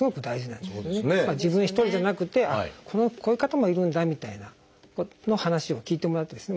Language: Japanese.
自分一人じゃなくてこういう方もいるんだみたいなの話を聞いてもらってですね